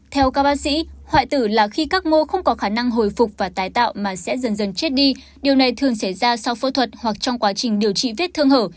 theo các bác sĩ hoại tử là khi các mô không có khả năng hồi phục và tái tạo mà sẽ dần dần chết đi điều này thường xảy ra sau phẫu thuật hoặc trong quá trình điều trị vết thương hở